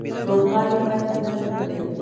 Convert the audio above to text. لوبغاړي باید نظم ولري.